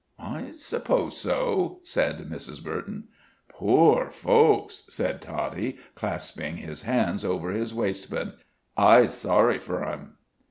"I suppose so," said Mrs. Burton. "Poor folks," said Toddie clasping, his hands over his waistband: "Izhe sorry for 'em."